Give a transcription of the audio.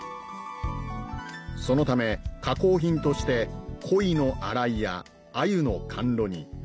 そのため加工品としてコイの洗いやアユの甘露煮